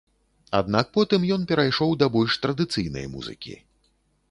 Аднак потым ён перайшоў да больш традыцыйнай музыкі.